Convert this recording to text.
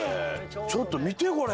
ちょっと見てこれ。